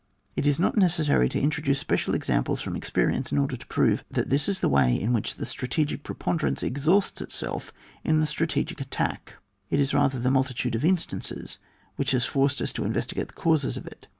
It is not necessary to introduce special examples from experience in order to prove that this is the way in which the strategic preponderance exhausts itself in the strategic attack ; it is rather the multitude of instances which has forced us to investigate the causes of it.